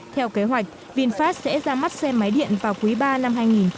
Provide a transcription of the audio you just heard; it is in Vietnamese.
theo kế hoạch vinfast sẽ ra mắt xe máy điện vào quý ba năm hai nghìn một mươi tám